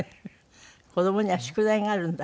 子どもには宿題があるんだ。